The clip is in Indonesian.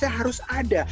emasnya harus ada